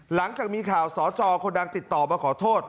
หลังจากมีข่าวสจคนดังติดต่อมาขอโทษ